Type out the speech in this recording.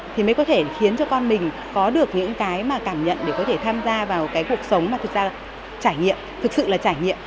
thì mới có thể khiến cho con mình có được những cái mà cảm nhận để có thể tham gia vào cuộc sống mà thật ra trải nghiệm